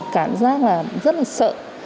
cảm giác là rất là sợ